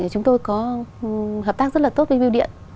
chúng tôi có hợp tác rất là tốt với biêu điện